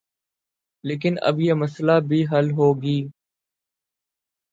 لیکن اب یہ مسئلہ بھی حل ہوگی